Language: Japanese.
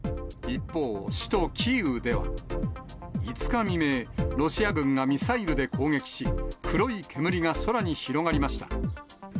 一方、首都キーウでは５日未明、ロシア軍がミサイルで攻撃し、黒い煙が空に広がりました。